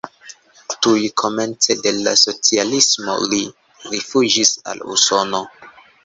Tuj komence de la socialismo li rifuĝis al Usono.